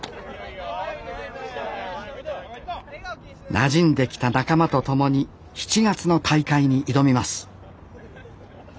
なじんできた仲間と共に７月の大会に挑みます